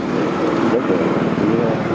để phụ trách về